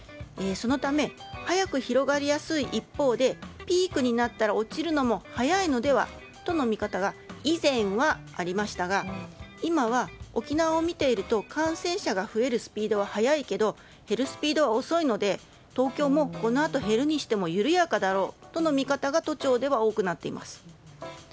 そのため早く広がりやすい一方でピークになったら落ちるのも早いのではという見方が以前はありましたが今は沖縄を見ていると感染者が増えるスピードは早いけど減るスピードは遅いので東京もこのあと、減るにしても緩やかだろうという見方が都庁では多くなっています。